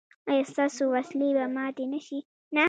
ایا ستاسو وسلې به ماتې نه شي؟